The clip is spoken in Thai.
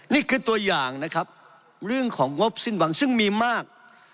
นี่คือตัวอย่างนะครับเรื่องของงบสิ้นหวังซึ่งมีมาก